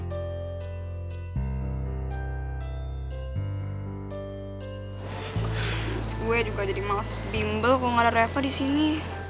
abis gue juga jadi males bimbel kalo gak ada reva disini